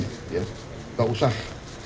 gak usah jor joran lah kalau bersaing ya biasa itu